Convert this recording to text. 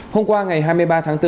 hôm qua ngày hai mươi ba tháng bốn